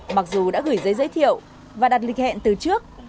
mặc dù đã gửi giấy giới thiệu và đặt lịch hẹn từ trước